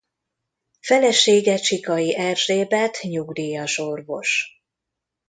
Felesége Csikai Erzsébet nyugdíjas orvos.